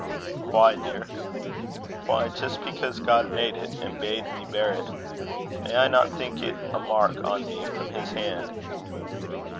"Why, dear?" "Why, just because God made it, and bade me bear it. May I not think it is a mark on me from his hand?"